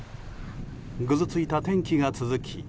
ぐずついた天気が続き